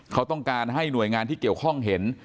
เขาต้องการให้หน่วยงานที่เกี่ยวข้องเห็น